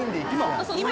今？